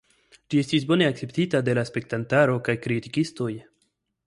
Ĝi estis bone akceptita de la spektantaro kaj kritikistoj.